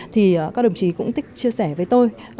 thì các đồng chí cũng thích chia sẻ với tôi